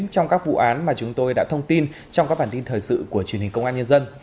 trong các vụ án mà chúng tôi đã thông tin trong các bản tin thời sự của truyền hình công an nhân dân